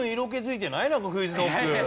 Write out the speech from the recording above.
クイズノック。